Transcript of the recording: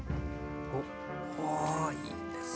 おっおいいですね。